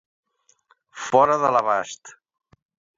Fora de l'abast.